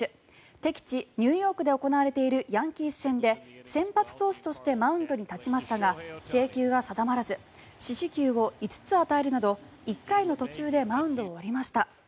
敵地ニューヨークで行われているヤンキース戦で先発投手としてマウンドに立ちましたが制球が定まらず四死球を５つ与えるなど１回の途中でマウンドを降りました。